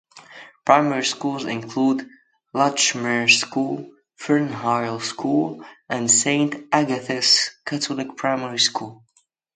Primary schools include Latchmere School, Fernhill School and Saint Agathas Catholic Primary School.